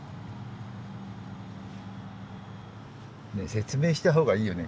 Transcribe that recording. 説明した方がいいよね？